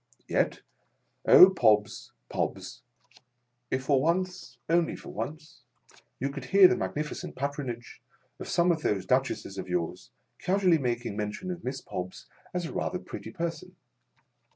Yet, O, Pobbs, Pobbs ! if for once — only for once — you could hear the magnificent patronage of some of those Duchesses of yours, casually making men tion of Miss Pobbs, as "a rather pretty person